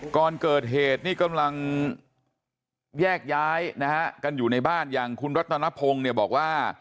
ก่อนเกิดเหตุนี่กำลังแยกย้ายนะฮะกันอยู่ในบ้านอย่างคุณรัตนพงศ์เนี่ยบอกว่า